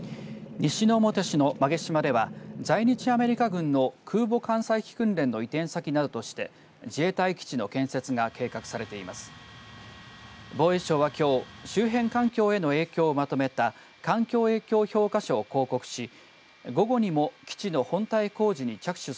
西之表市の馬毛島では在日アメリカ軍の空母艦載機訓練の移転先などとして自衛隊基地の建設が計画されています。